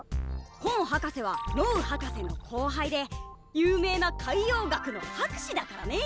コン博士はノウ博士の後輩で有名な海洋学の博士だからね。